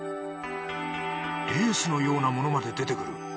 レースのようなものまで出てくる。